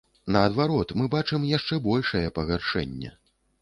Наадварот, мы бачым яшчэ большае пагаршэнне.